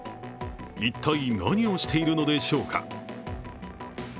一体、何をしているのでしょうか。